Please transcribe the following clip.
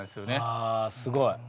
あすごい。